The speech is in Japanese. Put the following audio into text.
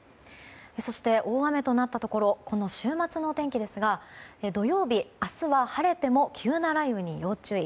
そして、大雨となったところのこの週末のお天気ですが土曜日、明日は晴れても急な雷雨に要注意。